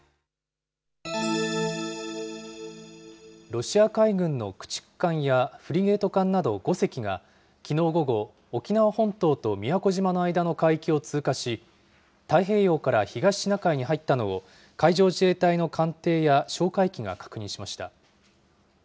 ロシア海軍の駆逐艦やフリゲート艦など５隻が、きのう午後、沖縄本島と宮古島の間の海域を通過し、太平洋から東シナ海に入ったのを、海上自衛隊の艦艇や哨戒機が確認しました。